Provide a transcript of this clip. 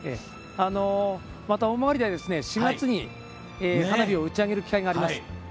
また大曲では４月に花火を打ち上げる機会があります。